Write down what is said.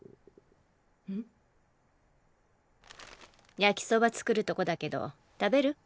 焼きそば作るとこだけど食べる？